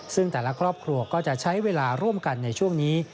ซึ่งแต่ละครอบครัวก็จะใช้เวลาร่วมกันในช่วงนี้